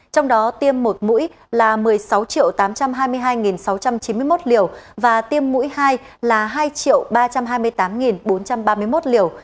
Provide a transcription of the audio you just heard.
trong đó tiêm một mũi là một mươi sáu tám trăm hai mươi hai sáu trăm chín mươi một liều và tiêm mũi hai là hai ba trăm hai mươi tám bốn trăm ba mươi một liều